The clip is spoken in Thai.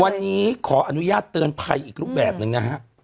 วันนี้ขออนุญาตเตือนภัยอีกรูปแบบหนึ่งนะฮะ